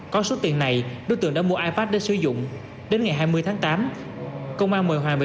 có số tiền này đối tượng đã mua ipad để sử dụng đến ngày hai mươi tháng tám công an mời hoàng về